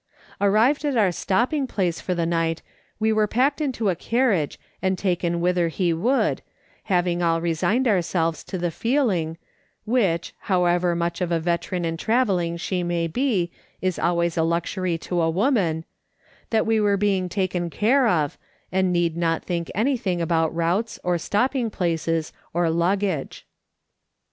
Arrived at our stopping place for the night, we were packed into a carriage and taken whither he would, having all resigned our selves to the feeling — which, however much of a veteran in travelling she may be, is always a luxury to a woman — that we were being taken care of, and need not think anything about routes or stopping places or luggage.